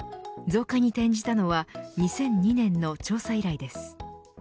増加に転じたのは２００２年の調査以来です。